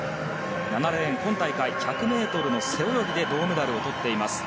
７レーン、今大会は１００ｍの背泳ぎで銅メダルをとっています。